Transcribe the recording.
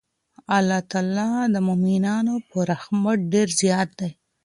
الله تعالی د مؤمنانو په رحمت ډېر زیات دی.